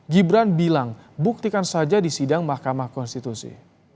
gibran bilang buktikan saja di sidang mahkamah konstitusi